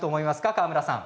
川村さん。